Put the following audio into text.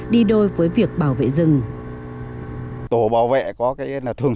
đi đôi với việc bảo vệ rừng